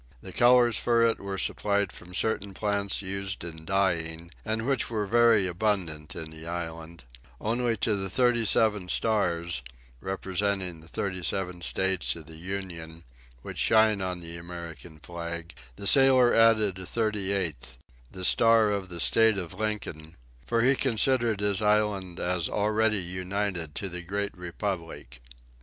The colors for it were supplied from certain plants used in dyeing, and which were very abundant in the island; only to the thirty seven stars, representing the thirty seven States of the Union, which shine on the American flag, the sailor added a thirty eighth, the star of "the State of Lincoln," for he considered his island as already united to the great republic.